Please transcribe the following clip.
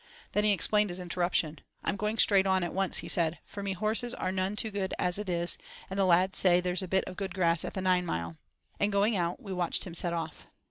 Then he explained his interruption. "I'm going straight on at once," he said "for me horses are none too good as it is, and the lads say there's a bit of good grass at the nine mile ", and, going out, we watched him set off.